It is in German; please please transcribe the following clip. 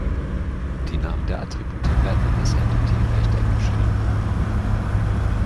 Die Namen der Attribute werden in das Entity-Rechteck geschrieben.